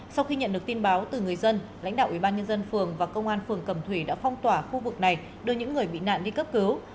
sau khi nhận được tin báo từ người dân lãnh đạo ubnd phường và công an phường cẩm thủy đã phong tỏa khu vực này đưa những người bị nạn đi cấp cứu